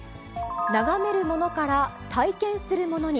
眺めるものから体験するものに。